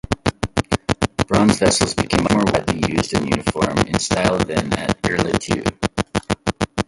Bronze vessels became much more widely used and uniform in style than at Erlitou.